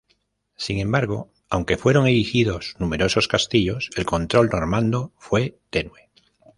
Sin embargo, aunque fueron erigidos numerosos castillos, el control normando fue tenue.